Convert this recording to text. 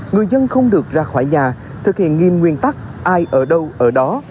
người dân không được ra khỏi nhà thực hiện nghiêm nguyên tắc ai ở đâu ở đó